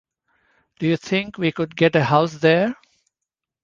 Do you think we could get a house there?